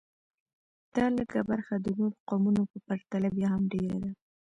دا لږه برخه د نورو قومونو په پرتله بیا هم ډېره ده